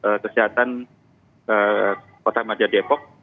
dinas kesehatan kota majadepok